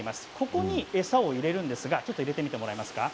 ここに餌を入れるんですが入れてみてもらえますか。